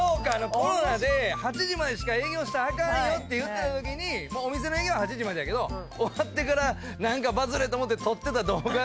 コロナで８時までしか営業したらあかんよって言ってた時にもうお店の営業８時までやけど終わってからなんかバズれと思って撮ってた動画で。